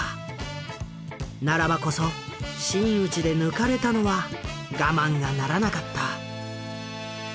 ならばこそ真打ちで抜かれたのは我慢がならなかった。